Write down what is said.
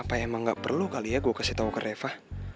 apa emang gak perlu kali ya gue kasih tau ke reva